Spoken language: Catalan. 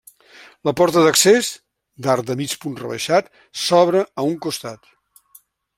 La porta d'accés, d'arc de mig punt rebaixat, s'obre a un costat.